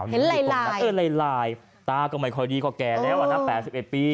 เห็นไรลายแต่ตาก็ไม่คอยดีกว่าแก่แล้วนะ๘๑ปี